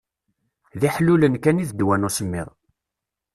D iḥlulen kan i d ddwa n usemmiḍ.